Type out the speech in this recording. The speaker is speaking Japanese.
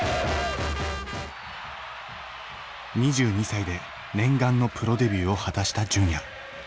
２２歳で念願のプロデビューを果たした純也。